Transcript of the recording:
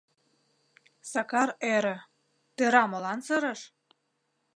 Сакар ӧрӧ: тӧра молан сырыш?